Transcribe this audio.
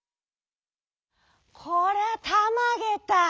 「こりゃたまげた。